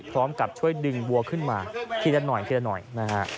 พร้อมกับช่วยดึงวัวขึ้นมาทีละหน่อยนะฮะ